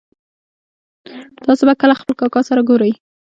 تاسو به کله خپل کاکا سره ګورئ